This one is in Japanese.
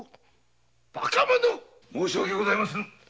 ばかもの‼申し訳ございません。